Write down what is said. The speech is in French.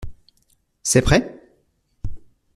C’est prêt ?